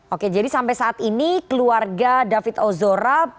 oke jadi sampai saat ini keluarga david ozora